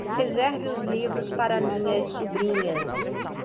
Reserve os livros para minhas sobrinhas